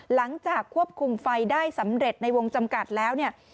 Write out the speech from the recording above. หลังจากควบคุมไฟได้สำเร็จในวงจำกัดแล้วเนี่ย